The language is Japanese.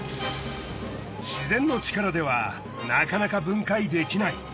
自然の力ではなかなか分解できない。